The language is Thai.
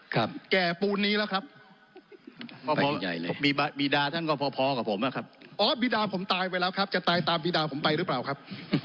ครับแก่ปูนนี้ล่ะครับมีบีดาท่านก็พอกับผมล่ะครับอ๋อบีดาผมตายไปแล้วครับจะตายตามบีดาผมไปหรือเปล่าครับ